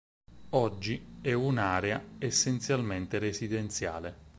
Oggi è un'area essenzialmente residenziale.